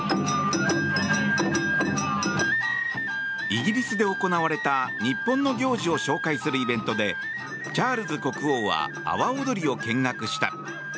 イギリスで行われた日本の行事を紹介するイベントでチャールズ国王は阿波踊りを見学した。